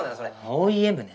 ＯＥＭね。